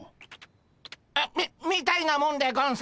みみたいなもんでゴンス。